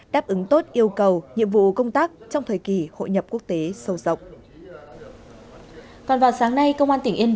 đáp ứng tốt yêu cầu nhiệm vụ công tác trong thời kỳ hội nhập quốc tế sâu rộng